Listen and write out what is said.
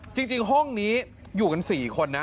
จริงห้องนี้อยู่กัน๔คนนะ